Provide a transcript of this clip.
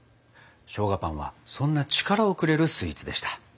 しょうがパンはそんな力をくれるスイーツでした。